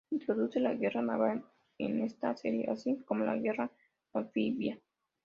Introduce la guerra naval en esta serie así como la guerra anfibia.